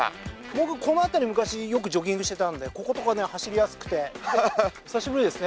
僕この辺り昔よくジョギングしてたのでこことかね走りやすくて。久しぶりですね。